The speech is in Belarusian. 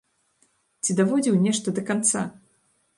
Ці даводзіў нешта да канца?